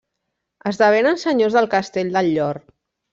Esdevenen senyors del castell del Llor.